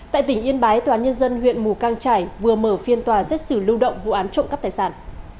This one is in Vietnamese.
tại tỉnh yên bái tòa nhân dân huyện mù căng trải vừa mở phiên tòa xét xử lưu động vụ án trộm cắp tài sản